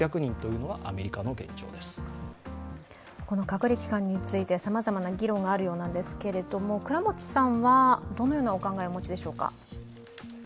この隔離期間についてさまざまな議論があるようなんですが倉持さんはどのようなお考えをお持ちでしょうか。